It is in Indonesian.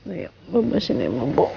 ayo bubuk sini bubuk